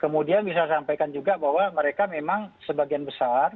kemudian bisa sampaikan juga bahwa mereka memang sebagian besar